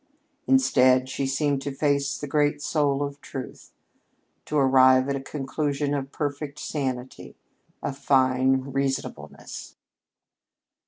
Instead, she seemed to face the great soul of Truth to arrive at a conclusion of perfect sanity, of fine reasonableness.